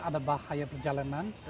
ada bahaya perjalanan